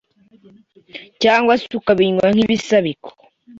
cyangwa se ukabinywa nk’ibisabiko.